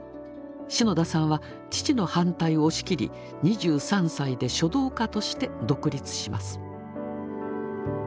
篠田さんは父の反対を押し切り２３歳で書道家として独立します。